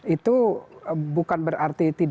itu bukan berarti